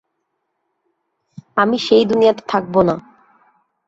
আমি সেই দুনিয়াতে থাকব না।